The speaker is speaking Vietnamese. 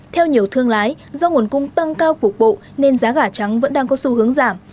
theo nhiều thương lái do nguồn cung tăng cao cuộc bộ nên giá gà trắng vẫn đang có xu hướng giảm